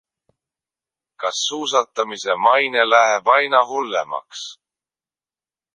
Kas suusatamise maine läheb aina hullemaks?